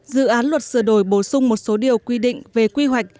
dự án luật sửa đổi bổ sung một số điều quy định về quy hoạch